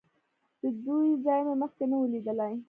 د دوی ځای مې مخکې نه و لیدلی.